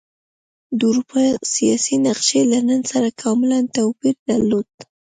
د اروپا سیاسي نقشې له نن سره کاملا توپیر درلود.